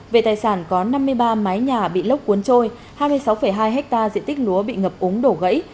về tài sản có năm mươi ba mái nhà bị lốc cuốn trôi hai mươi sáu hai hectare diện tích lúa bị ngập úng đổ gãy